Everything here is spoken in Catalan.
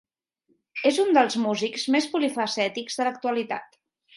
És un dels músics més polifacètics de l'actualitat.